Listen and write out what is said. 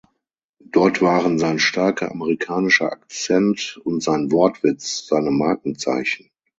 Dort waren sein starker amerikanischer Akzent und sein Wortwitz seine Markenzeichen.